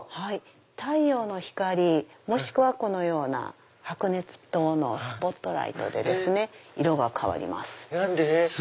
太陽の光もしくはこのような白熱灯のスポットライトで色が変わります。